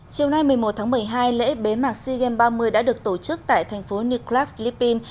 chiều nay một mươi một tháng một mươi hai lễ bế mạc sea games ba mươi đã được tổ chức tại thành phố new clark philippines